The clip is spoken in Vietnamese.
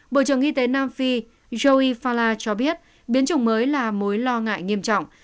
bộ trưởng y tế nam phi joey fala cho biết biến chủng mới là mối lo ngại nghiêm trọng